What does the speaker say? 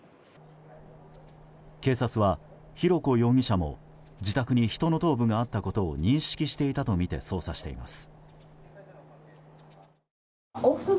警察は、浩子容疑者も自宅に人の頭部があったことを認識していたとみて捜査しています。